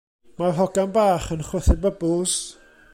Mae'r hogan bach yn chwythu bybls.